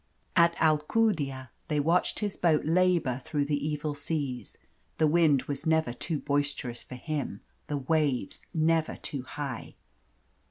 At Alcudia they watched his boat labour through the evil seas. The wind was never too boisterous for him, the waves never too high.